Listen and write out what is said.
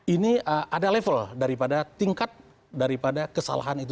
ini ada level daripada tingkat daripada kesalahan itu